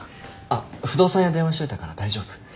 あっ不動産屋に電話しといたから大丈夫。